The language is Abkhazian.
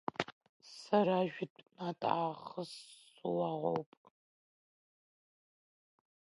Сара жәытә-натә аахыс суаӷоуп.